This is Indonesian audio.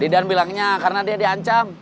lidan bilangnya karena dia di ancam